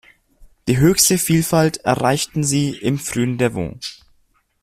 Die höchste Vielfalt erreichten sie im frühen Devon.